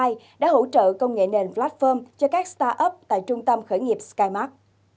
i đã hỗ trợ công nghệ nền platform cho các start up tại trung tâm khởi nghiệp skymark